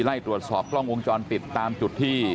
ไล่ตรวจสอบกล้องวงจรปิดตามจุดที่